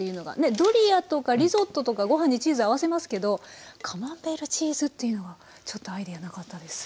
ドリアとかリゾットとかご飯にチーズ合わせますけどカマンベールチーズというのがちょっとアイデアなかったです。